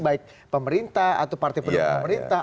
baik pemerintah atau partai pendukung pemerintah